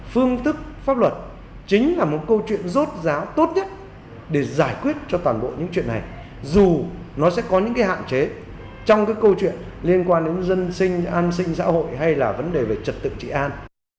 phương tức pháp luật chính là một câu chuyện rốt giáo tốt nhất để giải quyết cho toàn bộ những chuyện này dù nó sẽ có những hạn chế trong câu chuyện liên quan đến dân sinh an sinh xã hội hay là vấn đề về trật tự trị an